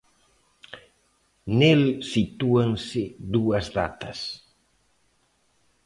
Nel sitúanse dúas datas.